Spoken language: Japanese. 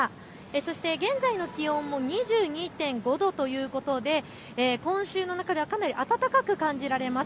そして現在の気温も２２．５度ということで今週の中ではかなり暖かく感じられます。